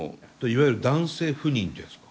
いわゆる男性不妊ですか？